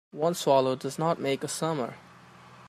One swallow does not make a summer.